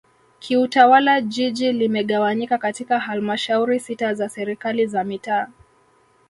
Kiutawala Jiji limegawanyika katika Halmashauri sita za Serikali za mitaa